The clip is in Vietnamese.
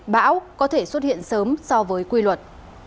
bão có thể xuất hiện sớm so với quy luật